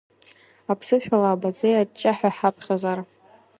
Аԥсышәала Абаӡӡеи аҷҷаҳәа ҳаԥхьозар…